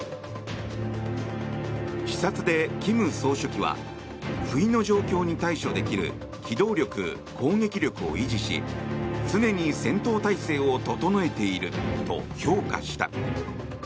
視察で、金総書記は不意の状況に対処できる機動力・攻撃力を維持し常に戦闘態勢を整えていると評価した。